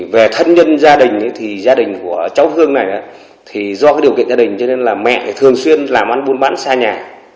về thân nhân gia đình thì gia đình của cháu hương này thì do cái điều kiện gia đình cho nên là mẹ thường xuyên làm ăn buôn bán xa nhà